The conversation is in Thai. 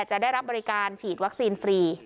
จะได้รับบริการฉีดวัคซีนฟรี